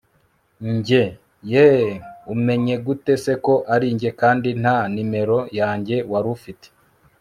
njye yeeeh! umenye gute se ko arinjye kandi nta nimero yanjye warufite!